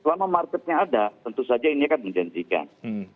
selama marketnya ada tentu saja ini akan menjanjikan